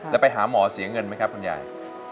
แล้วไปหาหมอเสียเงินไหมครับคุณยาย